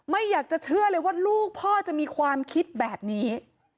ไม่อยากจะเชื่อเลยว่าลูกพ่อจะมีความคิดแบบนี้